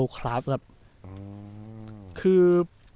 คือ